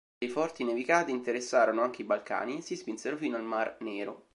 Le forti nevicate interessarono anche i Balcani e si spinsero fino al Mar Nero.